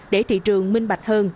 để thị trường minh bạch hơn